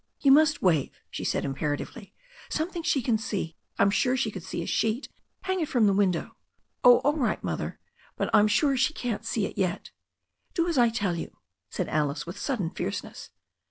"You must wave," she said imperatively, "something she can see. I am sure she could see a sheet. Hang it from the window." "Oh, all right. Mother. But I'm sure she can't see it yet" "Do as I tell you," said Alice, with sudden fierceness.